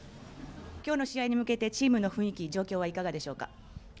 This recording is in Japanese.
今日の試合に向けてチームの雰囲気、状況はいかがでしょうか。